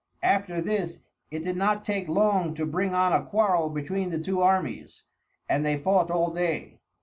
After this it did not take long to bring on a quarrel between the two armies, and they fought all day.